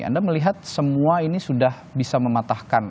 anda melihat semua ini sudah bisa mematahkan